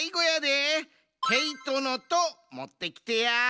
毛糸の「と」もってきてや。